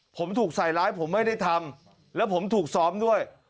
ผมถูกใส่ร้ายผมไม่ได้ทำแล้วผมถูกซ้อมด้วย